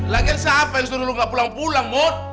lah kan siapa yang suruh lo gak pulang pulang mut